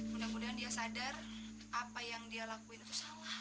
mudah mudahan dia sadar apa yang dia lakuin